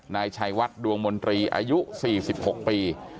นายชัยวัดดวงมนตรีอายุ๔๖ปี